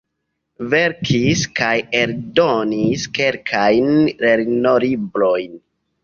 Verkis kaj eldonis kelkajn lernolibrojn.